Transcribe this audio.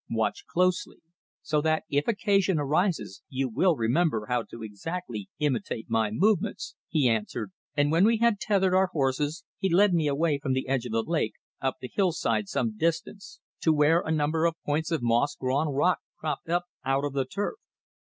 "Watch closely, so that if occasion arises you will remember how to exactly imitate my movements," he answered, and when we had tethered our horses, he led me away from the edge of the lake up the hill side some distance to where a number of points of moss grown rock cropped up out of the turf.